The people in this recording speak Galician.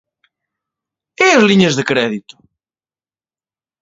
¿E as liñas de crédito?